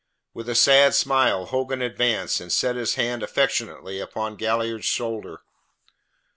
With a sad smile, Hogan advanced, and set his hand affectionately upon Galliard's shoulder.